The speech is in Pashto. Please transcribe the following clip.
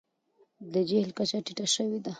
د جهیل کچه ټیټه شوې ده.